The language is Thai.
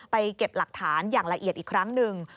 เก็บหลักฐานอย่างละเอียดอีกครั้งหนึ่ง